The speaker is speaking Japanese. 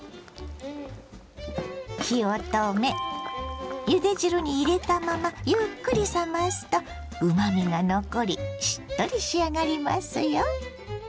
火を止めゆで汁に入れたままゆっくり冷ますとうまみが残りしっとり仕上がりますよ。